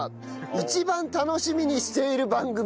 「一番楽しみにしている番組です」